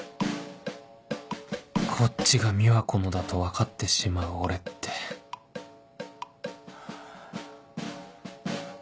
こっちが美和子のだと分かってしまう俺ってハァ。